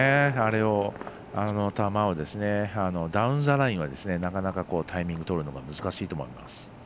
あの球をダウンザラインはなかなかタイミング取るのが難しいと思います。